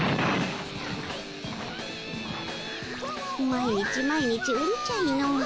毎日毎日うるちゃいのう。